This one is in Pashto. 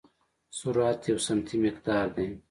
سرعت یو سمتي مقدار دی.